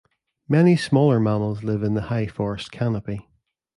Many smaller mammals live in the high forest canopy.